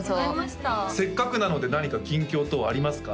せっかくなので何か近況等ありますか？